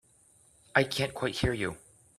I can't quite hear you.